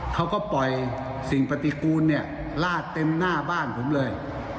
เขาก็ปล่อยสิ่งปฏิกูลเนี่ยลาดเต็มหน้าบ้านผมเลย